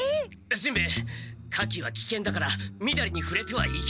しんべヱ火器はきけんだからみだりにふれてはいけない。